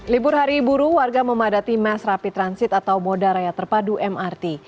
libur hari buru warga memadati mass rapid transit atau moda raya terpadu mrt